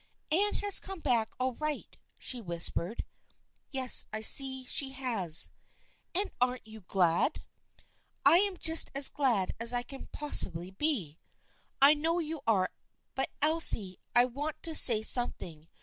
" Anne has come back all right," she whispered. " Yes, I see she has." " And aren't you glad ?"" I am just as glad as I can possibly be." " I know you are. But Elsie, I want to say something.